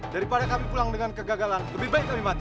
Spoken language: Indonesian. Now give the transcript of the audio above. daripada kami pulang dengan kegagalan lebih baik kami mati